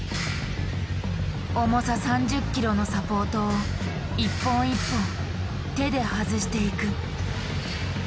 重さ３０ｋｇのサポートを一本一本手で外していく。